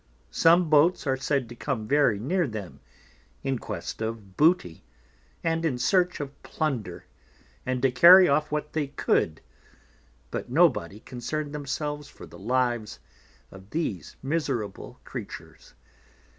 Some Boats are said to come very near them in quest of Booty, and in search of Plunder, and to carry off what they could get, but no Body concern'd themselves for the Lives of these miserable Creatures.